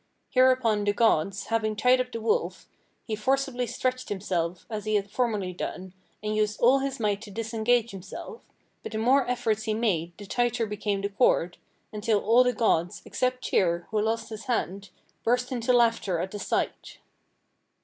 Hereupon the gods, having tied up the wolf, he forcibly stretched himself as he had formerly done, and used all his might to disengage himself, but the more efforts he made the tighter became the cord, until all the gods, except Tyr, who lost his hand, burst into laughter at the sight.